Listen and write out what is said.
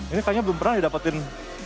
ini kayaknya belum pernah didapetin